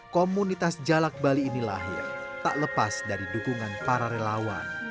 komunitas jalak bali ini lahir tak lepas dari dukungan para relawan